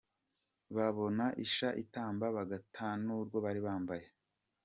Babona isha itamba Bagatan'urwo bari bambaye.